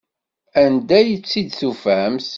Anda ay tt-id-tufamt?